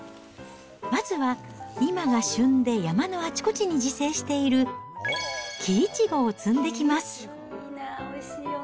まずは、今が旬で山のあちこちに自生している、きいちごを摘んできます。